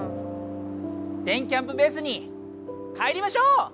電キャんぷベースに帰りましょう。